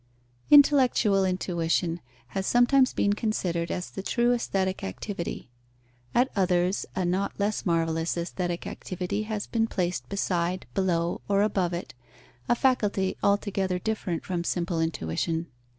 _ Intellectual intuition has sometimes been considered as the true aesthetic activity. At others a not less marvellous aesthetic activity has been placed beside, below, or above it, a faculty altogether different from simple intuition.